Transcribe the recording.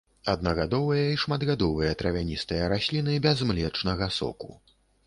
Аднагадовыя і шматгадовыя травяністыя расліны без млечнага соку.